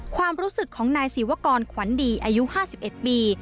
ความรู้สึกของนายศีวกรขวัญดีอายุห้าสิบเอ็ดปี